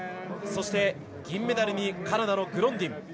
そして銀メダルにカナダのグロンディン。